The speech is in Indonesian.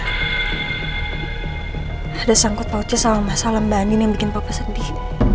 ada sangkut pautnya sama masalah mbak andien yang bikin papa sedih